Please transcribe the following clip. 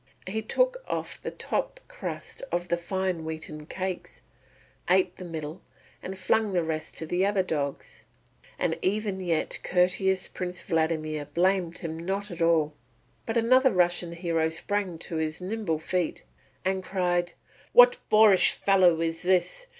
He took off the top crust of the fine wheaten cakes, ate the middle, and flung the rest to the other dogs. And even yet courteous Prince Vladimir blamed him not at all. But another Russian hero sprang to his nimble feet and cried, "What boorish fellow is this?